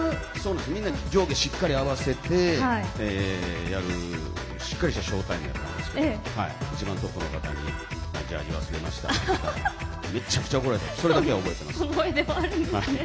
みんな上下しっかり合わせてやるしっかりしたショータイムだったんですけど一番トップの方に、ジャージ忘れましたって言ったらめちゃくちゃ怒られたそれだけは覚えてます。